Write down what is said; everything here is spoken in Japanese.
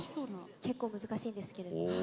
結構難しいですけど。